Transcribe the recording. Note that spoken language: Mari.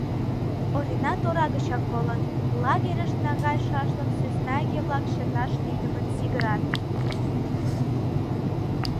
Орина тора гычак колын: лагерьыш наҥгайшашлык сӧсна иге-влак чыташ лийдымын сигырат.